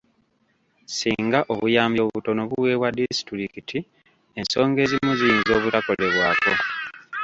Singa obuyambi obutono buweebwa disitulikiti, ensonga ezimu ziyinza obutakolebwako.